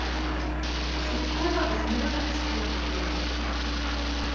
Cukkeɣ zemreɣ ad ttekleɣ fell-ak.